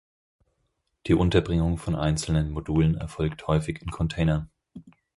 Die Unterbringung von einzelnen Modulen erfolgt häufig in Containern.